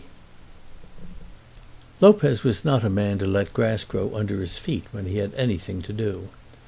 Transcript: C. Lopez was not a man to let grass grow under his feet when he had anything to do.